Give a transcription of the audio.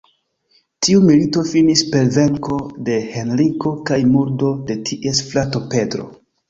Tiu milito finis per venko de Henriko kaj murdo de ties frato Pedro.